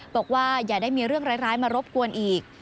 บอกว่าอย่าได้มีเรื่องร้ายมารบกวนอีก